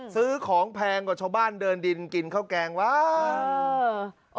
ซื้อของแพงกว่าชาวบ้านเดินดินกินข้าวแกงว้าว